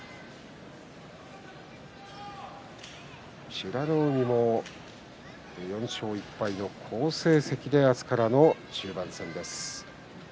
美ノ海も４勝１敗の好成績で明日からの中盤戦です。